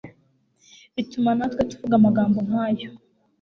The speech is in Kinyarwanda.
bituma natwe tuvuga amagambo nk ayo